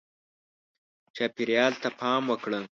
چاپېریال ته پام وکړه.